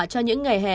cho những ngày hè